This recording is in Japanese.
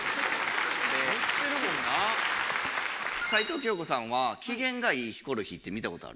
齊藤京子さんは機嫌がいいヒコロヒーって見た事ある？